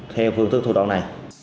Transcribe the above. theo phương thức thuê xe